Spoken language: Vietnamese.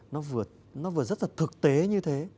nó vừa rất là thực tế như thế